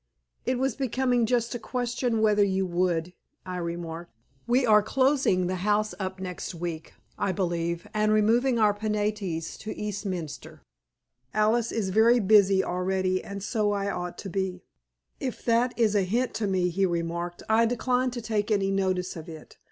"It was becoming just a question whether you would," I remarked. "We are closing the house up next week, I believe, and removing our 'Penates' to Eastminster. Alice is busy packing already, and so ought I to be." "If that is a hint to me," he remarked, "I decline to take any notice of it.